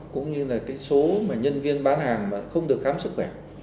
cũng như là cái số mà nhân viên bán hàng mà không được khám sức khỏe